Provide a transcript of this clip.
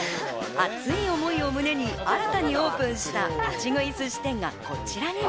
熱い思いを胸に、新たにオープンした立ち食い寿司店がこちらにも。